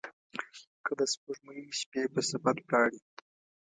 که د سپوږمۍ شپې په سفر ولاړي